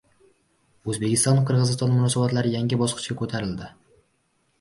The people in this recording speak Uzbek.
O‘zbekiston – Qirg‘iziston munosabatlari yangi bosqichga ko‘tarildi